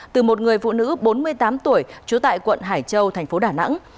của một phụ nữ bốn mươi tám tuổi trú tại quận hải châu thành phố đà nẵng